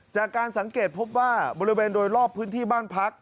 จากการสังเกตพบว่าบริเวณโดยรอบพื้นที่บ้านพัก